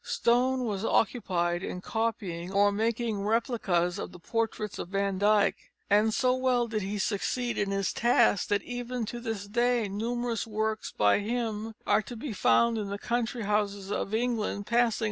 Stone was occupied in copying or making replicas of the portraits of Van Dyck, and so well did he succeed in his task that, even to this day, numerous works by him are to be found in the country houses of England passing under the name of the great master.